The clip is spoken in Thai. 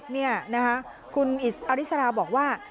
อริสราบอกว่า